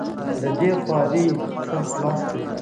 له دغې خوارۍ څخه خلاص کړي.